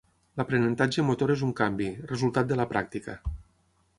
L'aprenentatge motor és un canvi, resultat de la pràctica.